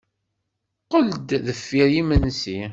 Qqel-d deffir yimensi.